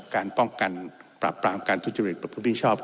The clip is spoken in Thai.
การป้องกันปราบปรามการทุจริตประพฤติมิชชอบ